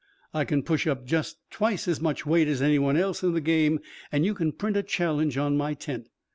"I can push up just twice as much weight as any one else in the game and you can print a challenge on my tent.